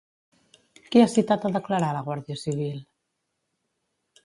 Qui ha citat a declarar la Guàrdia Civil?